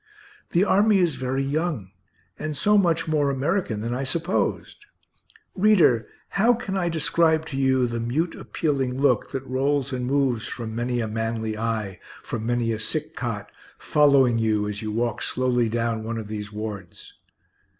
The army is very young and so much more American than I supposed. Reader, how can I describe to you the mute appealing look that rolls and moves from many a manly eye, from many a sick cot, following you as you walk slowly down one of these wards?